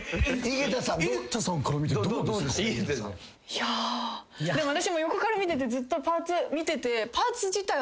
いやぁ私も横から見ててずっとパーツ見てて。